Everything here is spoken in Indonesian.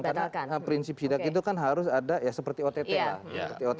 karena prinsip sidak itu kan harus ada seperti ott lah